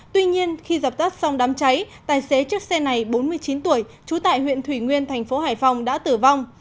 tuy nhiên khi dập tắt xong đám cháy tài xế chiếc xe này bốn mươi chín tuổi trú tại huyện thủy nguyên thành phố hải phòng đã tử vong